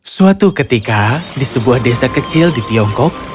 suatu ketika di sebuah desa kecil di tiongkok